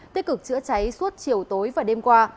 tích cực chữa cháy suốt chiều tối và đêm qua